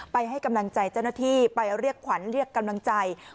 ให้กำลังใจเจ้าหน้าที่ไปเรียกขวัญเรียกกำลังใจ